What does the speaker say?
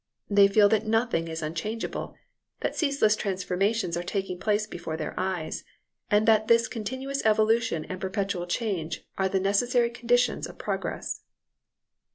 They feel that nothing is unchangeable; that ceaseless transformations are taking place before their eyes; and that this continuous evolution and perpetual change are the necessary conditions of progress.